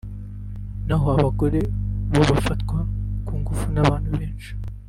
naho abagore bo bafatwa ku ngufu n’abantu benshi